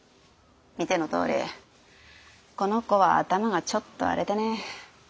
見てのとおりこの子は頭がちょっとあれでね。